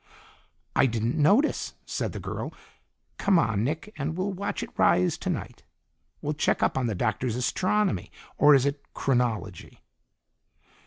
"I didn't notice," said the girl. "Come on, Nick, and we'll watch it rise tonight. We'll check up on the Doctor's astronomy, or is it chronology?"